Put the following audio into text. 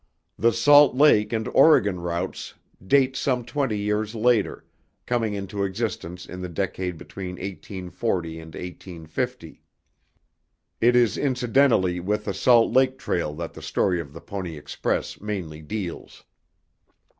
The Salt Lake and Oregon routes date some twenty years later, coming into existence in the decade between 1840 and 1850. It is incidentally with the Salt Lake trail that the story of the Pony Express mainly deals.